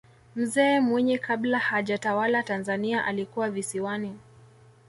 mzee mwinyi kabla hajatawala tanzania alikuwa visiwani